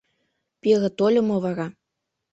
Пире тольо мо вара?